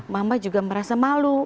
mama juga merasa malu